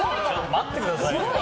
待ってくださいよ。